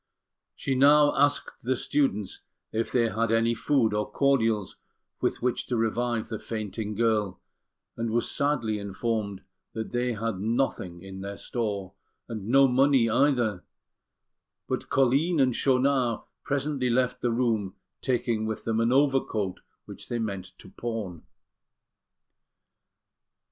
She now asked the students if they had any food or cordials with which to revive the fainting girl, and was sadly informed that they had nothing in their store, and no money either; but Colline and Schaunard presently left the room, taking with them an overcoat which they meant to pawn.